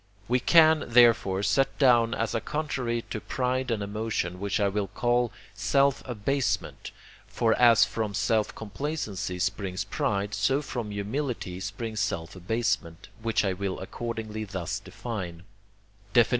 We can, therefore, set down as a contrary to pride an emotion which I will call self abasement, for as from self complacency springs pride, so from humility springs self abasement, which I will accordingly thus define: XXIX.